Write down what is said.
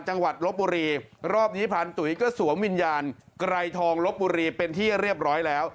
ลบบุรีรอบนี้พรานตุ๋ยก็สวมวิญญาณไกรทองลบบุรีเป็นที่เรียบร้อยแล้ว